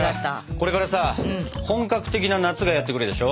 これからさ本格的な夏がやって来るでしょ？